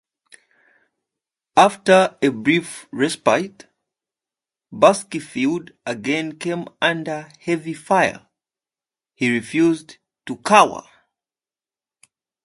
After a brief respite, Baskeyfield again came under heavy fire; he refused to cower.